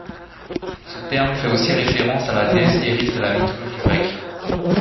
Ce terme fait aussi référence à la déesse Iris de la mythologie grecque.